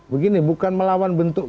begini bukan melawan bentuk